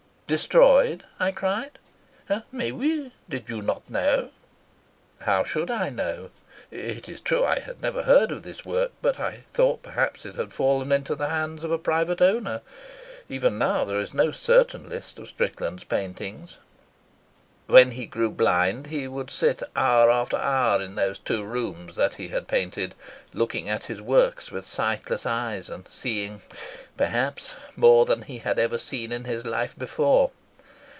"Destroyed?" I cried. "; did you not know?" "How should I know? It is true I had never heard of this work; but I thought perhaps it had fallen into the hands of a private owner. Even now there is no certain list of Strickland's paintings." "When he grew blind he would sit hour after hour in those two rooms that he had painted, looking at his works with sightless eyes, and seeing, perhaps, more than he had ever seen in his life before.